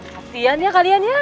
kasian ya kalian ya